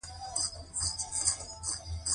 سره غرمه ده لمر ځبیښلې زما د شونډو شربتونه